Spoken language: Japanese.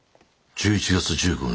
「１１月１５日